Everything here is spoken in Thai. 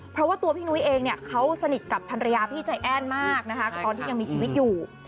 เพราะว่าตัวพี่นุ้ยเองเนี่ยเขาสนิทกับภรรยาพี่ใจแอ้นมากนะคะตอนที่ยังมีชีวิตอยู่